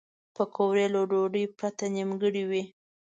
پکورې له ډوډۍ پرته نیمګړې وي